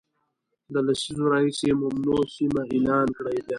له لسیزو راهیسي ممنوع سیمه اعلان کړې ده